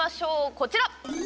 こちら！